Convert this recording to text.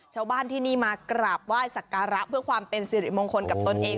ชาวบ้านที่นี่มากราบไหว้สักการะเพื่อความเป็นสิริมงคลกับตนเอง